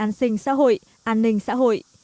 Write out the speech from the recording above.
an ninh xã hội an ninh xã hội